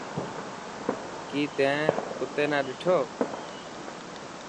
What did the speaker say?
ڪي تين ڪتي نا ڏٺو.